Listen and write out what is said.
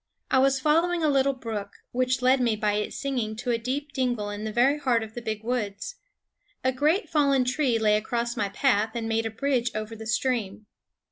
I was follow ing a little brook, which led me by its singing* to a deep dingle in the very heart of the big woods. A great fallen tree lay across my path and made a bridge over the stream.